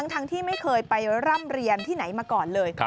ทั้งที่ไม่เคยไปร่ำเรียนที่ไหนมาก่อนเลย